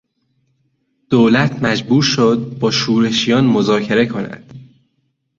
دولت مجبور شد با شورشیان مذاکره کند.